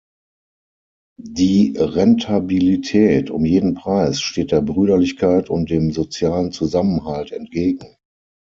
Die Rentabilität um jeden Preis steht der Brüderlichkeit und dem sozialen Zusammenhalt entgegen.